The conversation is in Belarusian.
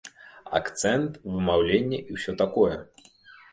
Акцэнт, вымаўленне і ўсё такое.